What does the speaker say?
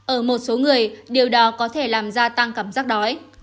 ở một số người điều đó có thể làm gia tăng cảm giác đói